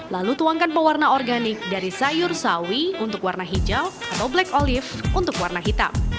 lalu tuangkan pewarna organik dari sayur sawi untuk warna hijau atau black olive untuk warna hitam